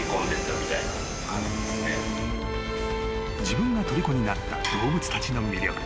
［自分がとりこになった動物たちの魅力］